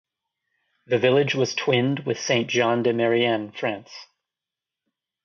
The village is twinned with Saint-Jean-de-Maurienne, France.